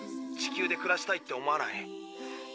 地球で暮らしたいって思わない？